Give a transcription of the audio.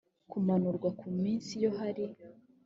kumanurwa ku minsi iyo hari